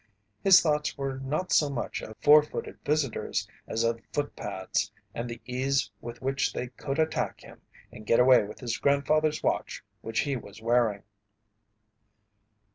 His thoughts were not so much of four footed visitors as of footpads and the ease with which they could attack him and get away with his grandfather's watch which he was wearing.